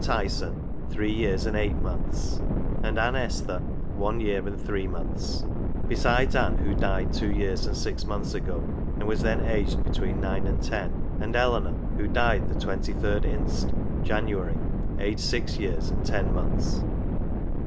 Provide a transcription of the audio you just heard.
Tyson, three years and eight months ; and Anne Esther, one year and three months : besides Anne who died two years and six months ago, and was then aged between nine and ten; and Eleanor, who died the 23d inst., January, aged six years and ten months.